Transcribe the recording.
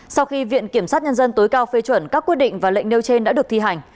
sau khi viện kiểm sát nhân dân tối cao phê chuẩn các quyết định và lệnh nêu trên đã được thi hành